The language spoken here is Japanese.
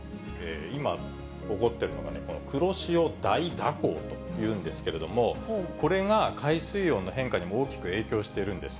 今、起こっているのがこの黒潮大蛇行というんですけれども、これが海水温の変化にも大きく影響しているんです。